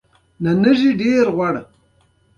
جان مې نن دامن ولسوالۍ بازار ته لاړم او تاته مې کتاب راوړل.